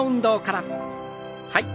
はい。